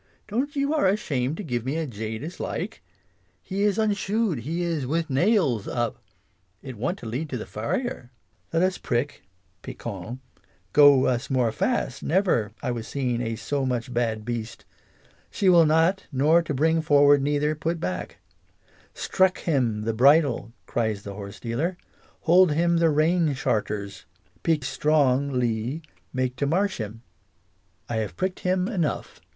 Don't you are ashamed to give me a jade as like? he is undshoed, he is with nails up; it want to lead to the farrier," " Let us prick {piqtions) go us more fast, never I was seen a so much bad beast; she will not nor to bring forward neither put back," "Strek him the bridle," cries the horsedealer, " Hold him the rein sharters." "Pique stron gly, make to marsh him," "I have pricked him enough.